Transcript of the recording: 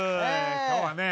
今日はね